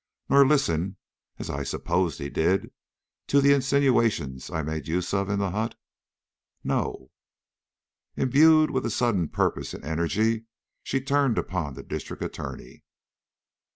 nor listen, as I supposed he did, to the insinuations I made use of in the hut?" "No." Imbued with sudden purpose and energy, she turned upon the District Attorney.